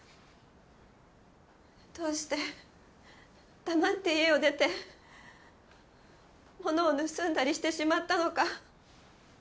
どうして黙って家を出てものを盗んだりしてしまったのか。